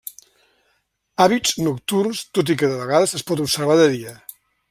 Hàbits nocturns, tot i que de vegades es pot observar de dia.